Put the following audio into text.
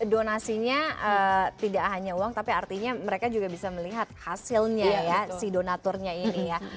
donasinya tidak hanya uang tapi artinya mereka juga bisa melihat hasilnya ya si donaturnya ini ya